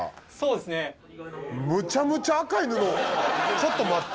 ちょっと待って！